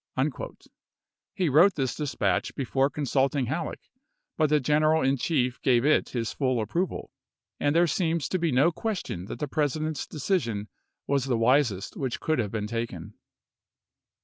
He wrote this dispatch be fore consulting Halleck, but the general in chief gave it his full approval; and there seems to be no question that the President's decision was the wisest which could have been taken.